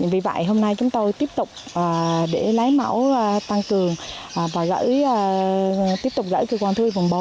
vì vậy hôm nay chúng tôi tiếp tục để lấy mẫu tăng cường và gửi tiếp tục gửi cơ quan thú y vùng bốn